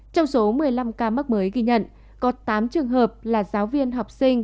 trong số một mươi năm ca mắc mới ghi nhận có tám trường hợp là giáo viên học sinh